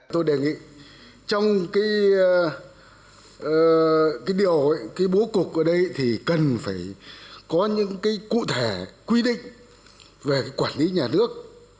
tôi đề nghị trong bố cục ở đây thì cần phải có những cụ thể quy định về quản lý nhà nước